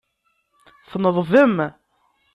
Tneḍbem.